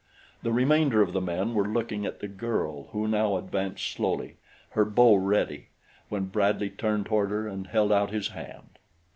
The remainder of the men were looking at the girl who now advanced slowly, her bow ready, when Bradley turned toward her and held out his hand.